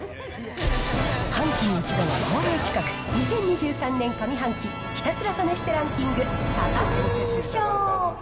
半期に一度の恒例企画、２０２３年上半期、ひたすら試してランキングサタデミー賞。